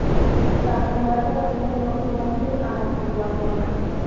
La culata tiene dos muelles amortiguadores.